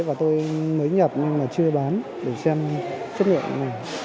và tôi mới nhập nhưng mà chưa bán để xem chất lượng